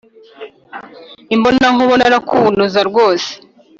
imbonankubone arakubunuza rwose